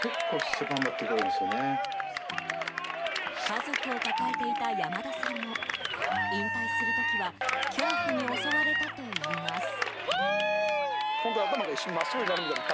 家族を抱えていた山田さんも引退する時は恐怖に襲われたといいます。